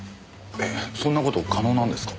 えっそんな事可能なんですか？